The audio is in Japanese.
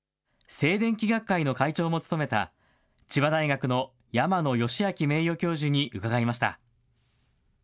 静電気学会の会長も務めた、千葉大学の山野芳昭名誉教授に伺いました。